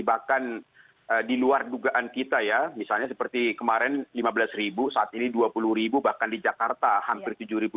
bahkan di luar dugaan kita ya misalnya seperti kemarin lima belas ribu saat ini dua puluh ribu bahkan di jakarta hampir tujuh ratus